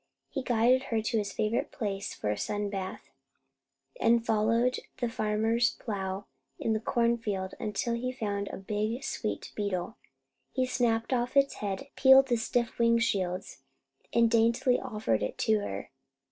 He guided her to his favourite place for a sun bath; and followed the farmer's plow in the corn field until he found a big sweet beetle. He snapped off its head, peeled the stiff wing shields, and daintily offered it to her.